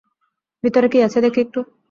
ভিতরে কী আছে দেখি একটু?